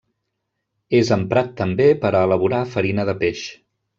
És emprat també per a elaborar farina de peix.